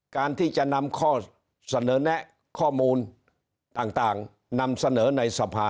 การที่จะนำข้อเสนอแนะข้อมูลต่างนำเสนอในสภา